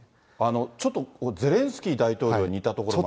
ちょっと、ゼレンスキー大統領に似たところが。